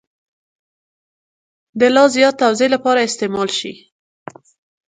د لا زیات توضیح لپاره استعمال شي.